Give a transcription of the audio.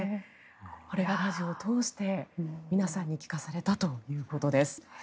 これがラジオを通して皆さんに聞かされたということです。